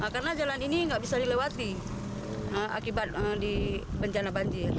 karena jalan ini nggak bisa dilewati akibat di bencana banjir